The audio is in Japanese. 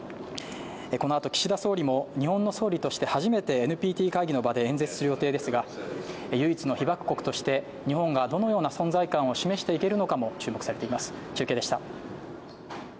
このあと岸田総理も日本の総理として初めて初めてＮＰＴ会議の場で演説する予定ですが、唯一の被爆国として日本がどのような存在感を示していけるのかも注目されています。